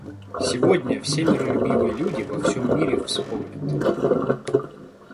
Сегодня все миролюбивые люди во всем мире вспомнят.